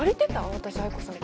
私藍子さんから。